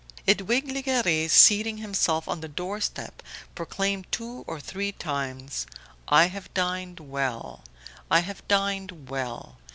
Edwige Legare, seating himself on the door step, proclaimed two or three times: "I have dined well ... I have dined well